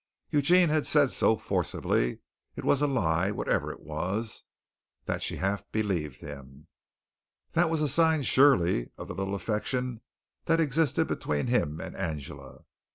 Eugene had said so forcibly it was a lie whatever it was, that she half believed him. That was a sign surely of the little affection that existed between him and Angela.